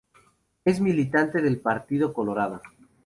Es militante del Partido Colorado.